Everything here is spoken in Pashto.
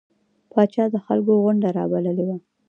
پاچا د خلکو غونده رابللې وه.